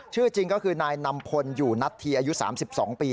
ชื่อจริงก็คือนายนำพลอยู่นัทธีอายุ๓๒ปี